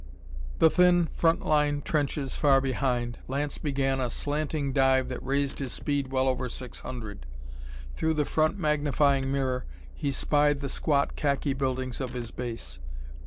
The thin front line trenches far behind, Lance began a slanting dive that raised his speed well over six hundred. Through the front magnifying mirror he spied the squat khaki buildings of his base.